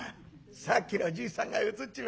さっきのじいさんがうつっちまった。